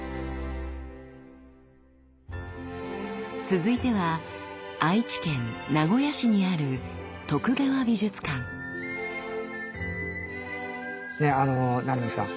続いては愛知県名古屋市にあるあの七海さん。